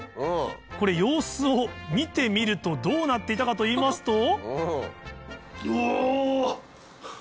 これ様子を見てみるとどうなっていたかといいますとうわ！